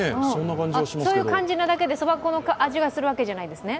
そういう感じなだけでそば粉の味がするわけじゃないですね？